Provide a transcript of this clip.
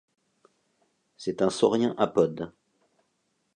C'est un saurien apode.